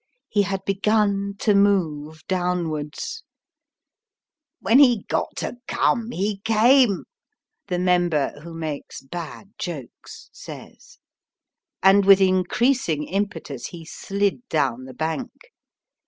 He had begun to move downwards ("When he got to cum he came," the Member, who makes bad jokes, says), and with increasing impetus he slid down the bank.